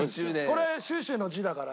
これシュウシュウの字だから。